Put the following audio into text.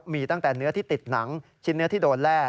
มีตั้งแต่เนื้อที่ติดหนังชิ้นเนื้อที่โดนแร่